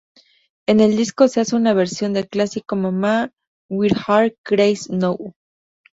En el disco se hace una versión del clásico "Mama, We're All Crazy Now".